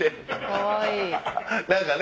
かわいい。